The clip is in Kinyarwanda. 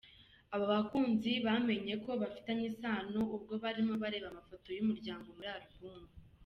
Aba bakunzi bamenye ko bafitanye isano ubwo barimo bareba amafoto y’umuryango muri album.